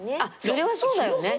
それはそうだよね。